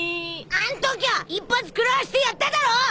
あんときは一発くらわしてやっただろ！